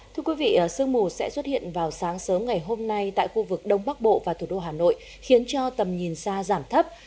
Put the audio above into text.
thưa quý vị sương mù sẽ xuất hiện vào sáng sớm ngày hôm nay tại khu vực đông bắc bộ và thủ đô hà nội khiến cho tầm nhìn xa giảm thấp